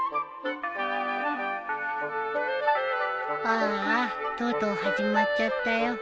あーあとうとう始まっちゃったよ